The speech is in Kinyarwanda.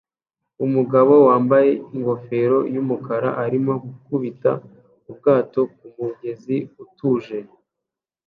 Umugabo wambaye ingofero yumukara arimo gukubita ubwato kumugezi utuje